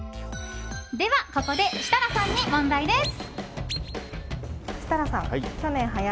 ではここで、設楽さんに問題です。